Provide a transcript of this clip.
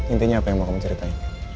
intinya apa yang mau kamu ceritain